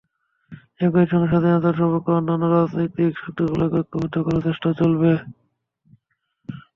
একই সঙ্গে স্বাধীনতার সপক্ষের অন্যান্য রাজনৈতিক শক্তিগুলোকেও ঐক্যবদ্ধ করার চেষ্টা চলবে।